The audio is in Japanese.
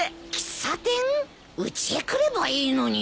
うちへ来ればいいのに。